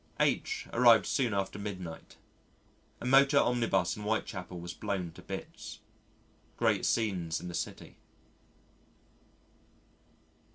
H arrived soon after midnight. A motor omnibus in Whitechapel was blown to bits. Great scenes in the city.